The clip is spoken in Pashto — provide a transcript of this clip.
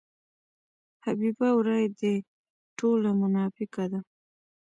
حبیبه ورا دې ټوله مناپیکه ده.